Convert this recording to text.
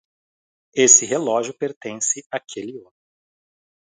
Esse relógio pertence àquele homem.